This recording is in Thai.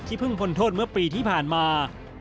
เพิ่งพ้นโทษเมื่อปีที่ผ่านมา